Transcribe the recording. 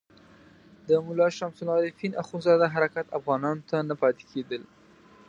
د ملا شمس العارفین اخندزاده حرکات افغانانو ته نه پاتې کېدل.